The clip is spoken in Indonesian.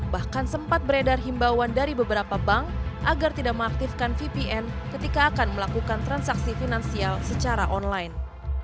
bahkan sempat beredar himbauan dari beberapa bank agar tidak mengaktifkan vpn ketika akan melakukan transaksi finansial secara online